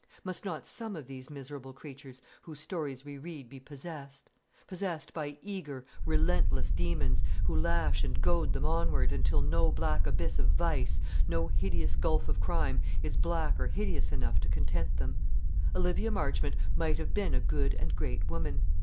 Must not some of these miserable creatures whose stories we read be possessed; possessed by eager, relentless demons, who lash and goad them onward, until no black abyss of vice, no hideous gulf of crime, is black or hideous enough to content them? Olivia Marchmont might have been a good and great woman.